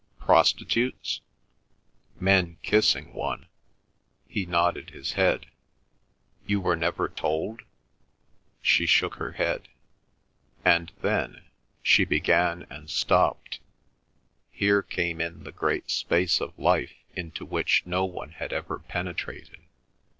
"Prostitutes?" "Men kissing one." He nodded his head. "You were never told?" She shook her head. "And then," she began and stopped. Here came in the great space of life into which no one had ever penetrated.